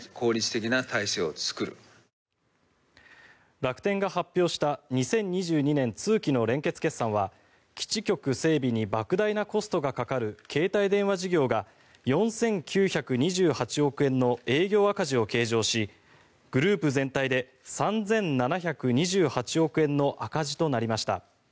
楽天が発表した２０２２年通期の連結決算は基地局整備にばく大なコストがかかる携帯電話事業が４９２８億円の営業赤字を計上しグループ全体で３７２８億円の赤字となりました。